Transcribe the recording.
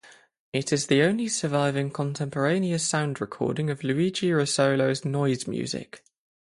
It is the only surviving contemporaneous sound recording of Luigi Russolo's noise music.